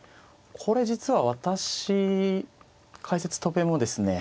これ実は私解説戸辺もですね